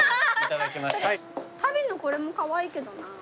足袋のこれもカワイイけどな。